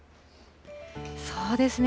そうですね。